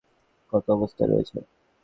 অক্ষত অবস্থায় রয়েছে?